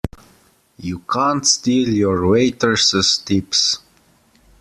You can't steal your waiters' tips!